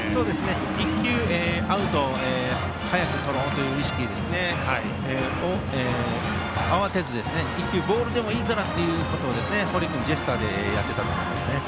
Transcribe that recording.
１球、アウトを早くとろうという意識で慌てずに１球ボールでもいいからということを堀君、ジェスチャーでやっていたと思いますね。